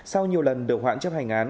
sau nhiều lần được hoãn chấp hành án